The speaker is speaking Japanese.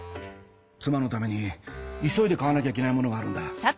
妻のために急いで買わなきゃいけないものがあるんだ。